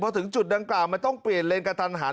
พอถึงจุดดังกล่าวมันต้องเปลี่ยนเลนกระทันหัน